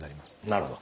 なるほど。